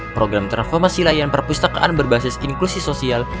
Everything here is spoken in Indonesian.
program transformasi layanan perpustakaan berbasis inklusi sosial